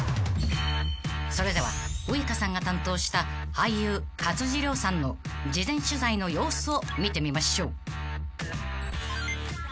［それではウイカさんが担当した俳優勝地涼さんの事前取材の様子を見てみましょう］